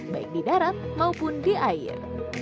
baik di darat maupun di air